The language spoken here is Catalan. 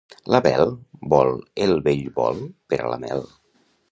La Bel vol el bell bol per a la mel.